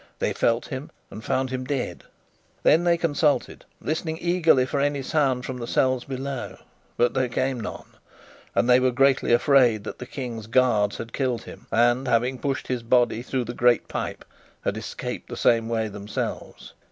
They felt him and found him dead. Then they consulted, listening eagerly for any sound from the cells below; but there came none, and they were greatly afraid that the King's guards had killed him, and having pushed his body through the great pipe, had escaped the same way themselves.